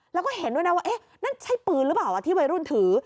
แล้วก็เห็นด้วยนะว่าเอ๊ะนั่นใช่ปืนหรือเปล่าที่วัยรุ่นถือ